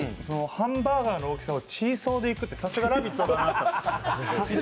ハンバーガーの大きさをチーソーでいくって、さすが「ラヴィット！」です。